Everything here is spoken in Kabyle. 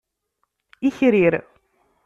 Ikrir.